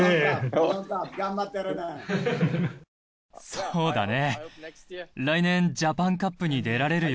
そうだね。